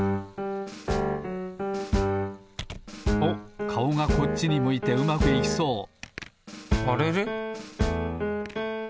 おっかおがこっちに向いてうまくいきそうあれれ？